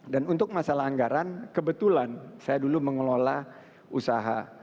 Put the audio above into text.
dan untuk masalah anggaran kebetulan saya dulu mengelola usaha